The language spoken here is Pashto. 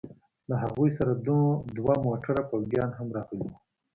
له هغوى سره دوه موټره فوجيان هم راغلي وو.